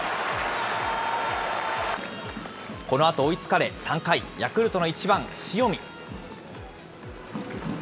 このあと追いつかれ、３回、ヤクルトの１番塩見。